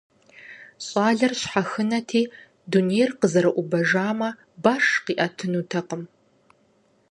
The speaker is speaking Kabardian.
ЩӀалэр щхьэхынэти, дунейр къызэрыӀубэжамэ, баш къиӀэтынутэкъым.